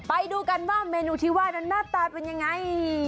ไปดูกันว่าเมนูที่ว่านั้นหน้าตาเป็นยังไง